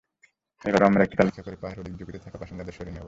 এবারও আমরা একটি তালিকা করে পাহাড়ে অধিক ঝুঁকিতে থাকা বাসিন্দাদের সরিয়ে নেব।